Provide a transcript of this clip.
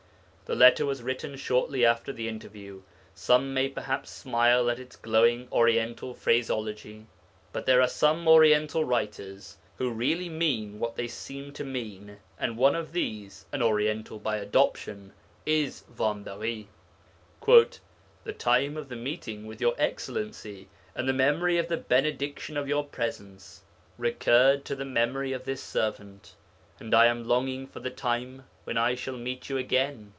The letter was written shortly after the interview; some may perhaps smile at its glowing Oriental phraseology, but there are some Oriental writers who really mean what they seem to mean, and one of these (an Oriental by adoption) is Vambéry. '... The time of the meeting with your excellency, and the memory of the benediction of your presence, recurred to the memory of this servant, and I am longing for the time when I shall meet you again.